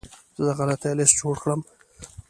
زه د غلطیو لیست جوړ کړم.